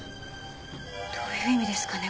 どういう意味ですかね？